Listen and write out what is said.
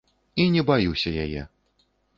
І не баюся яе.